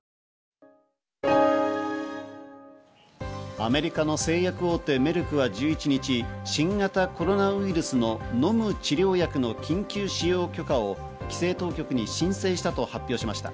アメリカの製薬大手、メルクは１１日新型コロナウイルスの飲む治療薬の緊急使用許可を規制当局に申請したと発表しました。